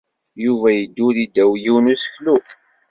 Yuba yedduri ddaw yiwen n useklu.